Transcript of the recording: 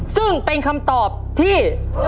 ซึ่งเป็นคำตอบที่